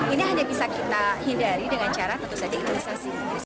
ini hanya bisa kita hindari dengan cara tentu saja imunisasi